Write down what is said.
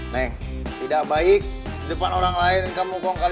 neng tidak baik depan orang lain kamu bongkar